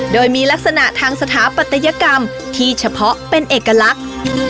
โดยมีลักษณะทางสถาปัตยกรรมที่เฉพาะเป็นเอกลักษณ์